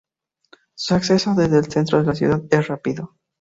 Su acceso desde el centro de la ciudad es rápido.